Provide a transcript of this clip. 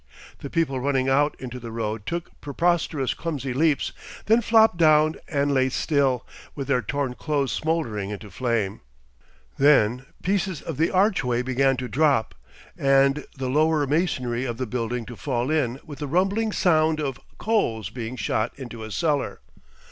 The people running out into the road took preposterous clumsy leaps, then flopped down and lay still, with their torn clothes smouldering into flame. Then pieces of the archway began to drop, and the lower masonry of the building to fall in with the rumbling sound of coals being shot into a cellar.